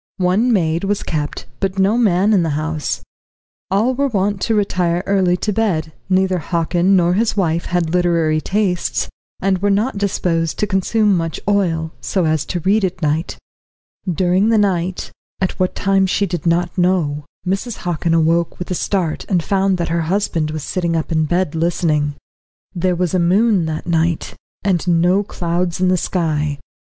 One maid was kept, but no man in the house. All were wont to retire early to bed; neither Hockin nor his wife had literary tastes, and were not disposed to consume much oil, so as to read at night. During the night, at what time she did not know, Mrs. Hockin awoke with a start, and found that her husband was sitting up in bed listening. There was a moon that night, and no clouds in the sky.